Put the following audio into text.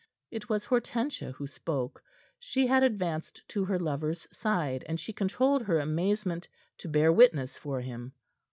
It was Hortensia who spoke; she had advanced to her lover's side, and she controlled her amazement to bear witness for him.